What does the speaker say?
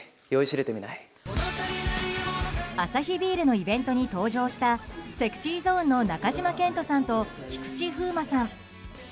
アサヒビールのイベントに登場したＳｅｘｙＺｏｎｅの中島健人さんと菊池風磨さん。